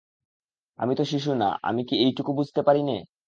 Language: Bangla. আমি তো শিশু না, আমি কি এইটুকু বুঝতে পারি নে?